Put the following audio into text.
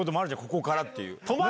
ここから！っていう。